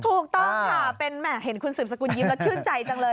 ถูกต้องค่ะเป็นแห่เห็นคุณสืบสกุลยิ้มแล้วชื่นใจจังเลย